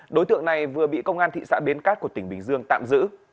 đối tượng này vừa bị công an thị xã bến cát của tỉnh bình dương tạm giữ